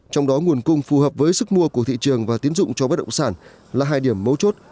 trong đó nguồn cung phù hợp với sức mua của thị trường và tiến dụng cho bất động sản là hai điểm mấu chốt